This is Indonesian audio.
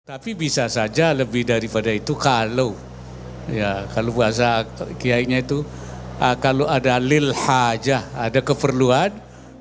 tapi bisa saja lebih daripada itu kalau bahasa kiainya itu kalau ada lil hajah ada keperluan